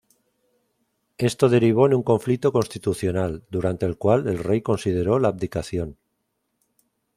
Esto derivó en un conflicto constitucional, durante el cual el rey consideró la abdicación.